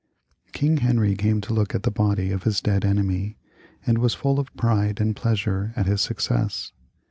King Henry came to look at the body of his dead enemy, and was full of pride and pleasure at his success.